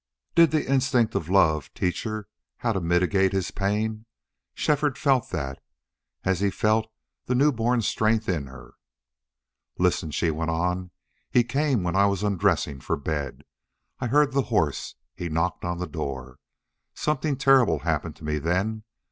Did the instinct of love teach her how to mitigate his pain? Shefford felt that, as he felt the new born strength in her. "Listen," she went on. "He came when I was undressing for bed. I heard the horse. He knocked on the door. Something terrible happened to me then.